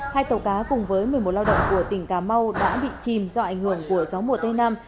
hai tàu cá cùng với một mươi một lao động của tỉnh cà mau đã bị chìm do ảnh hưởng của gió mùa tây nam